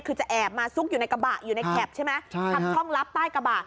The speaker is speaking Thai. คือจะแอบมาซุกอยู่ในกระบะอยู่ในแคปใช่ไหมทำช่องลับใต้กระบะ